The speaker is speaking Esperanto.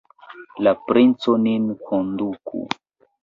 La princo nin konduku!